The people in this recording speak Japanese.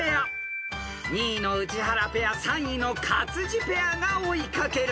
［２位の宇治原ペア３位の勝地ペアが追い掛ける］